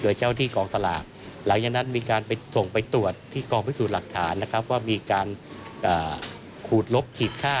โดยเจ้าที่กองสลากหลังจากนั้นมีการไปส่งไปตรวจที่กองพิสูจน์หลักฐานนะครับว่ามีการขูดลบขีดค่า